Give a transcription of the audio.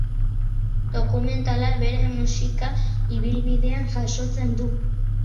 Dokumentalak bere musika ibilbidea jasotzen du.